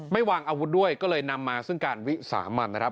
วางอาวุธด้วยก็เลยนำมาซึ่งการวิสามันนะครับ